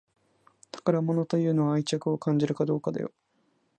宝物というのは愛着を感じるかどうかだよ